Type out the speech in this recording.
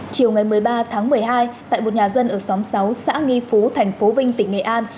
chiều ngày một mươi ba tháng một mươi hai tại một nhà dân ở xóm sáu xã nghi phú thành phố vinh tỉnh nghệ an